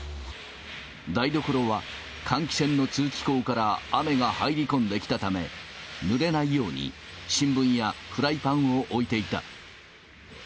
台所は、換気扇の通気口から雨が入り込んできたため、ぬれないように新聞やフライパンを置いていた。